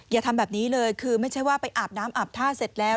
อย่าทำแบบนี้เลยคือไม่ใช่ว่าไปอาบน้ำอาบท่าเสร็จแล้ว